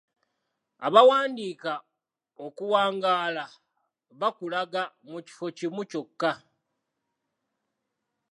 Abaawandiika okuwangaala baakulaga mu kifo kimu kyokka.